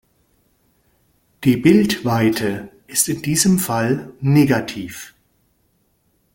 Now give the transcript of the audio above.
Die Bildweite ist in diesem Fall negativ.